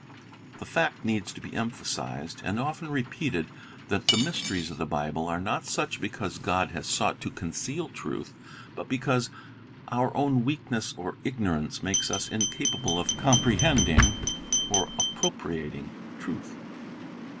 The fact needs to be empha Limit to 1 Comprehen sized, and often repeated, that the mysteries of the Bible sio„ are not such because God has sought to conceal truth, but because our own weakness or ignorance makes us incapable of comprehending or appropriating truth.